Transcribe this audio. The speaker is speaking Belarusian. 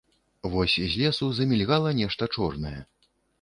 Вось з лесу замільгала нешта чорнае.